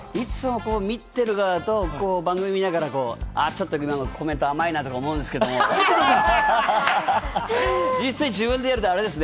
見てる側と、番組見ながら今のコメント甘いなとか思うんですけれども、実際自分でやると、あれですね。